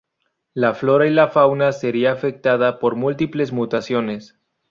La flora y la fauna sería afectada por múltiples mutaciones.